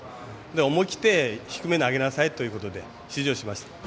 思い切って、低め投げなさいということで指示をしました。